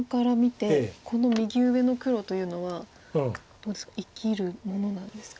この右上の黒というのはどうですか生きるものなんですか。